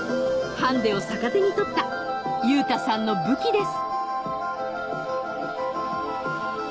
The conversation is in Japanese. ハンディを逆手に取った優太さんの武器です